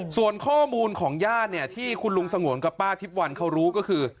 ส่วนข้อมูลของญาติเนี่ยที่คุณลุงสงวนกับป้าทิพย์วันเขารู้ก็คือ